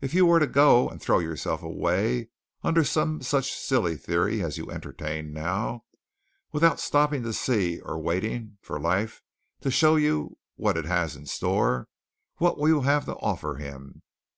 If you were to go and throw yourself away under some such silly theory as you entertain now, without stopping to see, or waiting for life to show you what it has in store, what will you have to offer him.